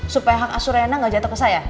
supaya hak asur rena ga jatuh ke saya